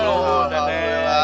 nih udah dibelain